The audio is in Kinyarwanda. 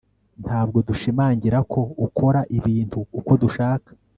Ntabwo dushimangira ko ukora ibintu uko dushaka